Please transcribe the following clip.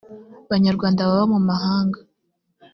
banyarwanda baba mu mahanga